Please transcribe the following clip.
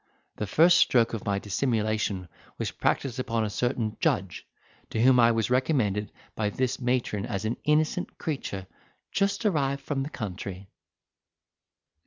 The first stroke of my dissimulation was practised upon a certain judge, to whom I was recommended by this matron as an innocent creature just arrived from the country.